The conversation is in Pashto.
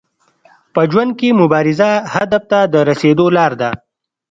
په ژوند کي مبارزه هدف ته د رسیدو لار ده.